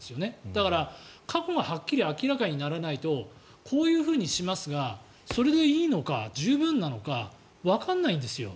だから、過去がはっきり明らかにならないとこういうふうにしますがそれでいいのか十分なのかわからないんです。